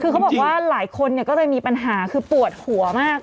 คือเขาบอกว่าหลายคนก็เลยมีปัญหาคือปวดหัวมาก